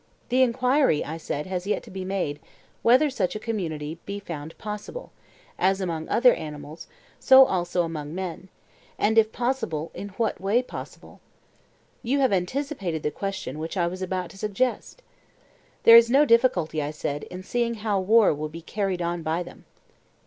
The enquiry, I said, has yet to be made, whether such a community be found possible—as among other animals, so also among men—and if possible, in what way possible? You have anticipated the question which I was about to suggest. There is no difficulty, I said, in seeing how war will be carried on by them.